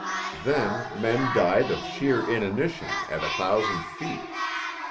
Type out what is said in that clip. Then men died of sheer inanition at a thousand feet.